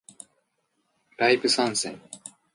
ライブ参戦